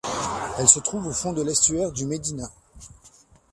Elle se trouve au fond de l'estuaire du Medina.